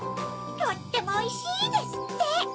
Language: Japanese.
「とってもおいしい」ですって！